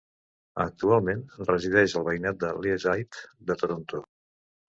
Actualment, resideix al veïnat de Leaside de Toronto.